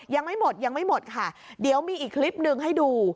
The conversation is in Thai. ยังไม่หมดยังไม่หมดค่ะเดี๋ยวมีอีกคลิปหนึ่งให้ดู